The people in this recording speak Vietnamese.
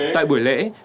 tại buổi lễ thưa ủy quyền